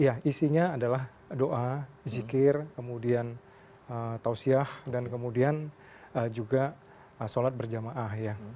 iya isinya adalah doa zikir kemudian tausiah dan kemudian juga sholat berjamaah ya